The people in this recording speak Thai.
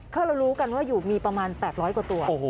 ถ้าเรารู้กันว่าอยู่มีประมาณ๘๐๐กว่าตัว